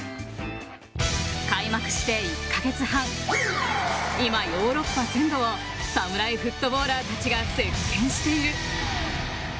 開幕して１カ月半今、ヨーロッパ全土をサムライフットボーラーたちが席巻している。